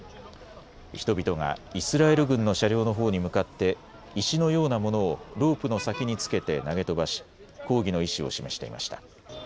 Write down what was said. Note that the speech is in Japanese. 人々がイスラエル軍の車両のほうに向かって石のようなものをロープの先につけて投げ飛ばし、抗議の意志を示していました。